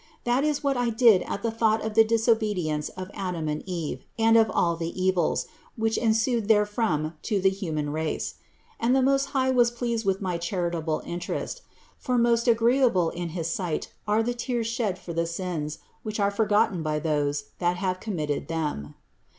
That is what I did at the thought of the disobedience of Adam and Eve and of all the evils, which ensued therefrom to the human race. And the Most High was pleased with my charitable interest ; for most agreeable in his sight are the tears shed for the sins, which are forgotten by those, that have committed them.